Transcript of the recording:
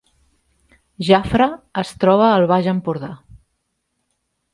Jafre es troba al Baix Empordà